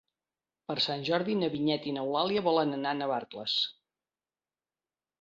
Per Sant Jordi na Vinyet i n'Eulàlia volen anar a Navarcles.